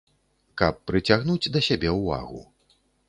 Каб прыцягнуць да сябе ўвагу.